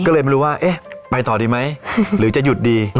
ก็เลยไม่รู้ว่าเอ๊ะไปต่อดีไหมหรือจะหยุดดี